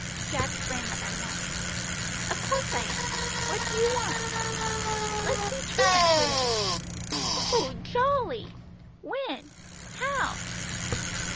Jack sprang up at once. "Of course I am. What do you want?" "Let's be truants to day." "Oh, jolly! When? How?"